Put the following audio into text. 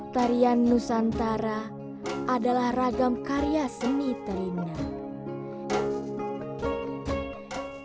tarian nusantara adalah ragam karya seni terindah